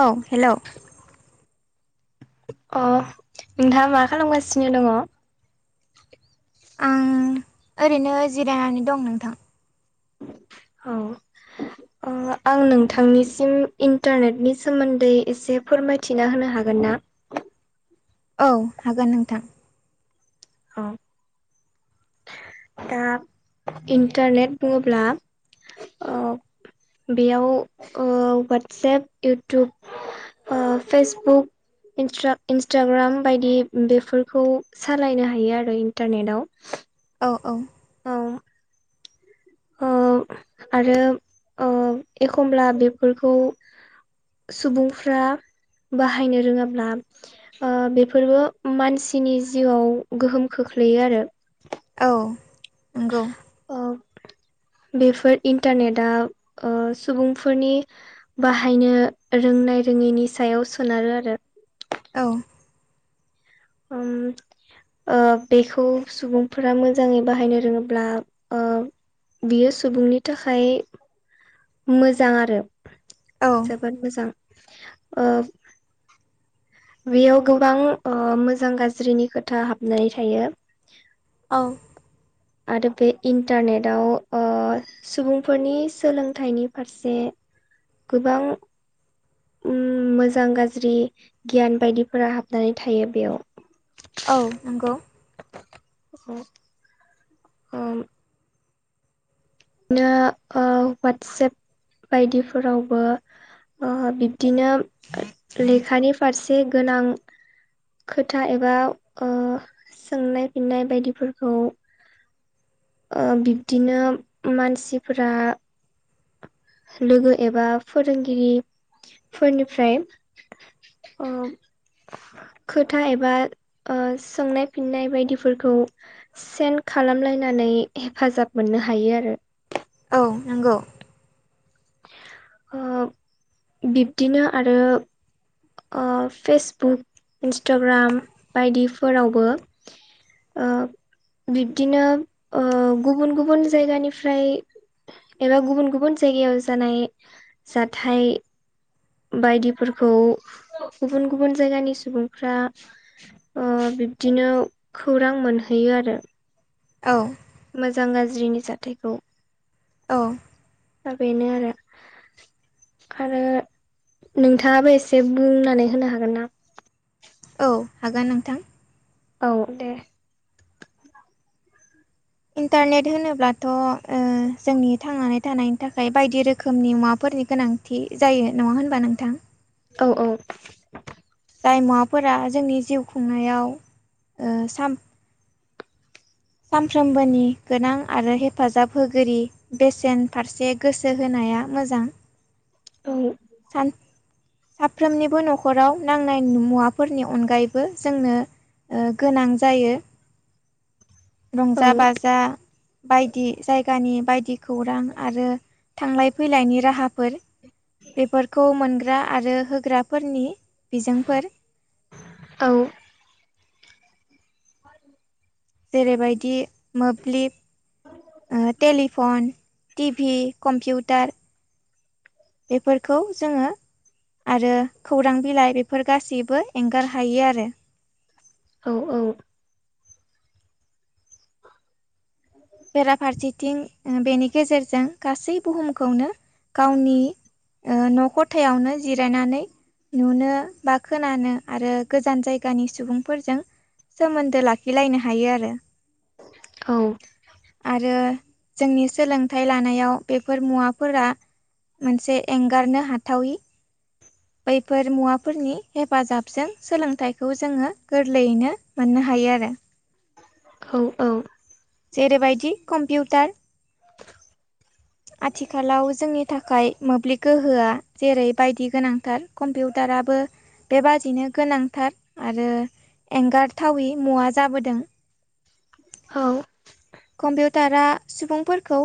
औ हेल' अ नोंथाङा मा खालामगासिनो दङ आं ओरैनो जिरायनानै दं नोंथां औ आं नोंथांनिसिम इन्टारनेटनि सोमोन्दै एसे फोरमायथिना होनो हा हागोन ना औ हागोन नोंथां औ दा इन्टारनेट बुङोब्ला बेयाव ववाट्सेएप इउटुब फेसबुक इन्सटाग्राम बायदि बेफोरखौ सालायनो हायो आरो इन्टारनेटाव औ औ अ आरो एखमब्ला बेफोरखौ सुबुंफ्रा बाहायनो रोङाब्ला बेफोरबो मानसिनि जिउआव गोहोम खो [unintelligible] आरो औ नंगौ [inaudible] बेफोर इन्टारनेटआ सुबुंफोरनि बाहायनो रोंनाय रोङैनि सायाव सोनारो आरो औ ओम ओ बेखौ सुबुंफोरा मोजाङै बाहायनो रोङोब्ला ओ बियो सुबुंनि थाखाय मोजां आरो औ जबोर मोजां ओ बेयाव गोबां ओ मोजां गाज्रिनि खोथा हाबनानै थायो औ आरो बे इन्टारनेटाव ओ सुबुंफोरनि सोलोंथाइनि फारसे गोबां ओ मोजां गाज्रि गियान बायदिफोरा हाबनानै थायो बेयाव औ नंगौ अ ओम बिनो ओ वाटसेप बायदिफोरावबो ओ बिब्दिनो लेखानि फारसे गोनां खोथा एबा ओ सोंनाय फिन्नाय बायदिफोरखौ बिब्दिनो मानसिफोरा लोगो एबा फोरोंगिरिफोरनिफ्राय अ खोथा एबा अ सोंनाय फिन्नाय बायदिफोरखौ सेन खालामलायनानै हेफाजाब मोननो हायो आरो औ नंगौ ओ बिब्दिनो आरो ओ फेसबुक इन्सटाग्राम बायदिफोरावबो ओ बिब्दिनो गुबुन गुबुन जायगानिफ्राय एबा गुबुन गुबुन जायगायाव जानाय जाथाय बायदिफोरखौ गुबुन गुबुन जायगानि सुबुंफ्रा ओ बिब्दिनो खौरां मोनहैयो आरो औ मोजां गाज्रिनि जाथायखौ औ दा बेनो आरो आरो नोंथाङाबो एसे बुंनानै होनो हागोन ना औ हागोन नोंथां औ दे। इन्टारनेट होनोब्लाथ' ओ जोंनि थांनानै थानायनि थाखाय बायदि रोखोमनि मुवाफोर नि गोनांथि जायो नङा होनबा नोंथां। औ औ। जायमुवाफोरा जोंनि जिउ खुंनायाव ओ साम। सानफ्रोमबोनि गोनां आरो हेफाजाब होगिरि बेसेन फारसे गोसो होनाय। होनाया मोजां। औ। सान। साफ्रोमनिबो न'खराव नांनाय मुवाफोरनि अनगायैबो जोंनो। ओ गोनां जायो। [inaudible] रंजा औ बाजा बायदि जायगानि। बायदि खौरां आरो थांलाय फैलायनि राहाफोर। बेफोरखौ मोनग्रा आरो होग्राफोरनि। बिजोंफोर। आरो। जेरैबायदि मोब्लिब ‌ टेललिफन टिभि कम्पिउटार बेफोरखौ जोङो आरो खौरां बिलाइ बेफोर गासिबो बो एंगार हायो आरो। औ औ। बेराफारसेथिं बेनि गेजेरजों गासै बुहुमखौनो। गावनि ओ न' खथायावनो जिरायनानै नुनो बा खोनानो आरो गोजान जायगानि सुबुंफोरजों सोमोन्दो लाखिलायनो हायो आरो। औ। ओ जोंनि सोलोंथाइ लानायाव बेफोर मुवाफोरा मोनसे एंगारनो हाथावि बैफोर मुवाफोरनि हेफाजाबजों सोलोंथाइखौ जोङो गोरलैयैनो मोननो हायो। बिदि आरो। औ औ। जेरैबायदि कम्पिउटार [inaudible] आथिखालाव जोंनि थाखाय मोब्लिब गोहोआ जेरै बायदि गोनांथार कम्पिउटार टाराबो बेबादिनो गोनांथार आरो एंगारथावै मुवा जाबोदों। औ। दारा सुबुंफोरखौ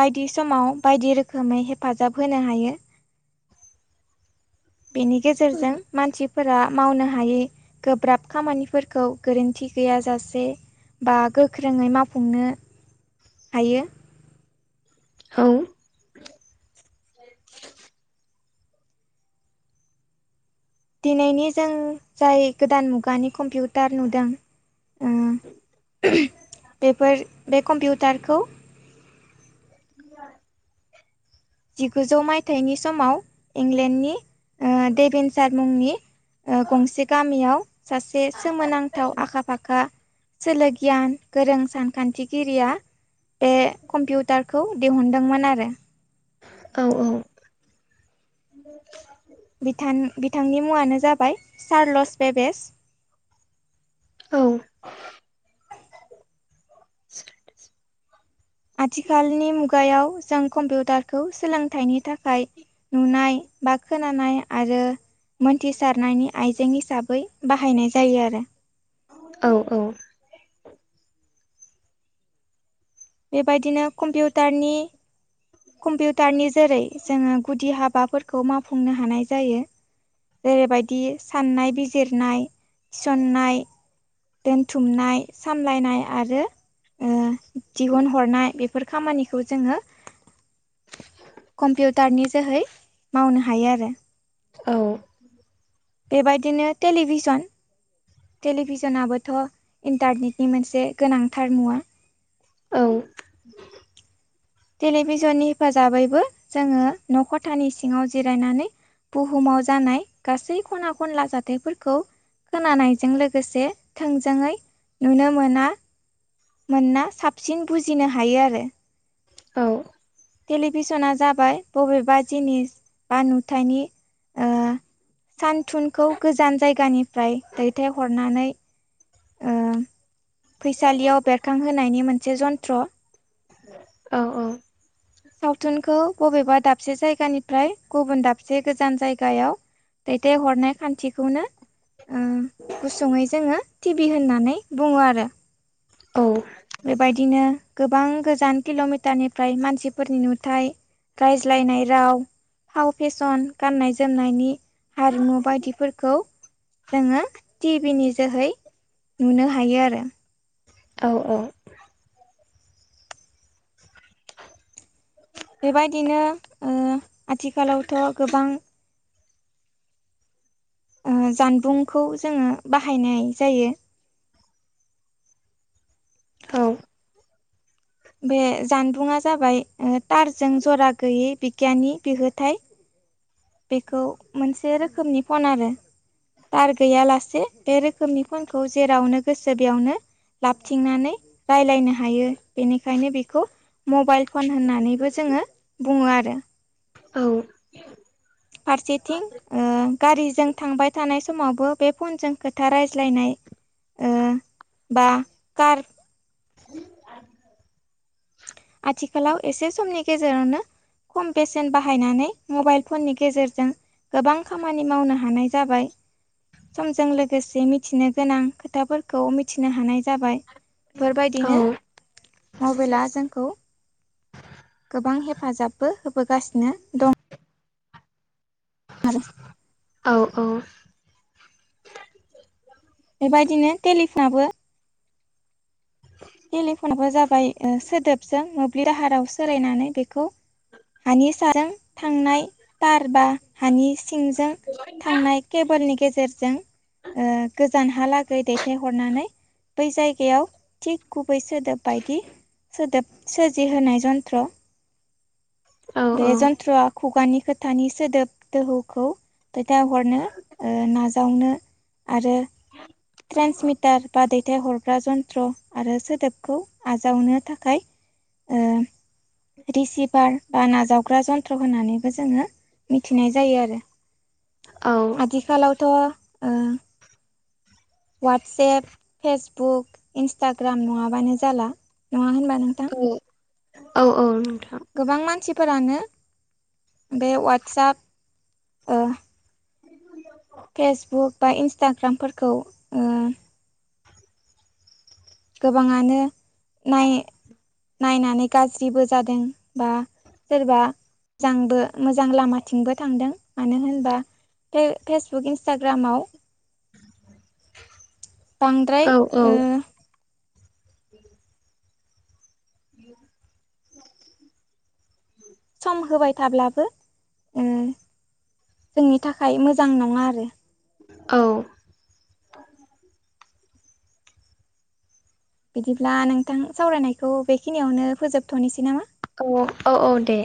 बायदि समाव बायदि रोखोमै हेफाजाब होनो हायो। बेनि गेजेरजों मानसि फोर मावनो हायै गोब्राब खामानिफोरखौ गोरोन्थि गैया जासे बा गोख्रोङै मावफुंनो हायो। औ दिनैनि जों जाय गोदान मुगानि कम्पिउ दार नुदों ओ बेफोर बे कम्पिउटारखौ [inaudible] जिगुजौ मायथाइनि समाव इंलेण्डनि देभेनसार मुंनि ओ गंसे गामियाव सासे सोमोनांथाव आखा फाखा सोलो गियान गोरों सानखांथिगिरिया बे कम्पिउटारखौ दिहुनदोंमोन आरो। औ औ। बिथां बिथांनि मुङानो जाबाय चार्लस वेबेस। औ [inaudible] आथिखालनि मुगायाव जों कम्पिउटारखौ सोलोंथाइनि थाखाय नुनाय बा खोनानाय आरो मोनथिसारनायनि आइजें हिसाबै बाहायनाय जायो आरो। औ औ। बेबायदिनो कम्पिउटारनि कम्पिउटारनि जेरै जोङो गुदि हाबाफोरखौ मावफुंनो हानाय जायो। जेरैबायदि साननाय बिजिरनाय थिसननाय दोनथुमनाय सामलायनाय आरो ओ दिहुनहरनाय बेफोर खामानिखौ जोङो कम्पिउटारनि जोहै मावनो हायो आरो। औ। बेबायदिनो टेलिभिसन टेलिभिसनाबोथ' इन्टारनेटनि मोनसे गोनांथार मुवा। औ टेलिभिजननि हेफाजाबैबो जोङो न' खथानि सिङाव जिरायनानै बुहुमाव जानाय गासै खना खनला जाथायफोरखौ खोनानायजों लोगोसे थोंजोङै नुनो मोनना मोनना साबसिन बुजिनो हायो आरो। औ। टेलिभिसना जाबाय बबेबा जिनिस बा नुथायनि ओ सानथुनखौ गोजान जायगानिफ्राय दैथायहरनानै ओ फैसालियाव बेरखांहोनायनि मोनसे जन्थ्र। औ औ। सावथुनखौ बबेबा दाबसे जायगानिफ्राय गुबुन दाबसे गोजान जायगायाव दैथाय हरनाय खान्थिखौनो ओ गुसुङै जोङो टि भि होननानै बुङो आरो। बेबायदिनो गोबां गोजान किल'मिटारनिफ्राय मानसिफोरनि नुथाय रायज्लायनाय राव फाव फेसन गाननाय जोमनायनि हारिमु बायदिफोरखौ जोङो टिभि नि जोहै नुनो हायो आरो। औ औ। बेबायदिनो ओ आथिखालावथ' गोबां ओ जानबुंखौ जोङो बाहायनाय जायो। [inaudible] औ। बे जानबुंङा जाबाय ओ थारजों जरा गैयै बिगियनि बिहोथाय। बेखौ मोनसे रोखोमनि फन आरो बार गैयालासे बे रोखोमनि फनखौ जेरावनो गोसो बेयावनो लाबथिंनानै रायलायनो हायो, बेनिखायनो बेखौ मबाइल फन होननानैबो जोङो बुङो आरो। औ। फारसेथिं ओ गारिजों थांबाय थानाय समावबो बे फनजों खोथा रायज्लायनाय ओ बा कार आथिखालाव एसे समनि गेजेरावनो खम बेसेन बाहायनानै मबाइल फननि गेजेरजों गोबां खामानि मावनो हानाय जाबाय समजों लोगोसे मिथिनो गोनां खोथाफोरखौ मिथिनो हानाय जाबाय बेफोरबायदिनो मबाइला जोंखौ गोबां हेफाजाबबो होबोगासिनो दं आरो औ औ बेबायदिनो टेलिफनाबो टेलिफनाबो ओ जाबाय सोदोबजों मोब्लिब राहाराव सोलायनानै बेखौ हानि साजों थांनाय तार बा हानि सिंजों थांनाय केबोलनि गेजेरजों ओ गोजानहालागै दैथायहरनानै बै जायगायाव थिग गुबै सोदोब बायदि सोदोब सोरजिहोनाय जन्त्र बे औ जन्थ्रआ खुगानि खोथानि सोदोब दोहौखौ खोथा ओ हरनो नाजावनो आरो ट्रेन्समिटार बा दैथाय हरग्रा जन्त्र आरो सोदोबखौ आजावनो थाखाय रिसिभार बा नाजावग्रा जन्थ्र होनानैबो जोङो मिथिनाय जायो आरो औ औ आथिखालावथ' ववाट्सेएप फेसबुक इन्स्टाग्राम नङाबानो जाला नङा होनबानो नोंथां औ नोंथां गोबां मानसिफोरानो बे वाट्सप फेसबुक बा इन्सटाग्रामफोरखौ गोबाङानो नाय नायनानै गाज्रिबो जादों बा सोरबा मोजांबो मोजां लामाथिंबो थांदों मानो होनबा फे फेसबुक इन्स्टाग्रामाव बांद्राय औ ओ सम होबाय थाब्लाबो ओ जोंनि थाखाय मोजां नंङा आरो औ बिदिब्ला नोंथां सावरायनायखौ बेखिनियावनो फोजोबथ'नोसै नामा औ औ औ दे